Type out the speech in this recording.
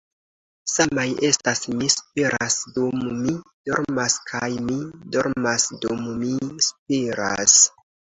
Samaj estas 'Mi spiras dum mi dormas' kaj 'Mi dormas dum mi spiras.'"